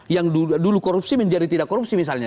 yang dulu korupsi menjadi tidak korupsi misalnya